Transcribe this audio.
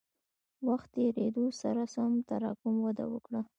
وخت تېرېدو سره تراکم وده وکړه.